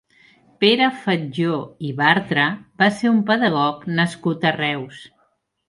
Pere Fatjó i Bartra va ser un pedagog nascut a Reus.